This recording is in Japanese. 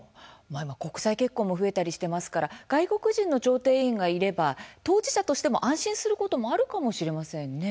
今、国際結婚も増えたりしていますから外国人の調停委員がいれば当事者としても安心することもあるかもしれませんね。